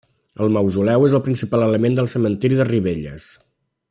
El Mausoleu és el principal element del cementiri de Ribelles.